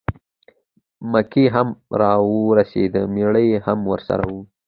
مکۍ هم را ورسېده مېړه یې هم ورسره و.